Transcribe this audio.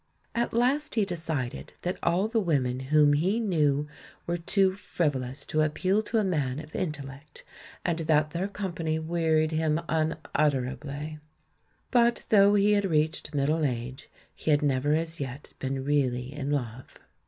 At last he decided that all the women whom he knew were too frivolous to appeal to a man of intellect, and that theii' company wearied him unutterablv. But, though he had reached middle age, he had never as yet been really in love.